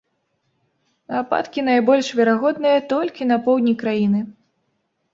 Ападкі найбольш верагодныя толькі на поўдні краіны.